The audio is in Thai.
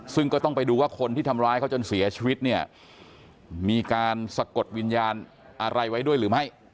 ซึ่งก็ต้องไปดูว่าคนที่ทำร้ายเขาจนเสียชีวิตเนี่ยมีการสะกดวิญญาณอะไรไว้ด้วยหรือไม่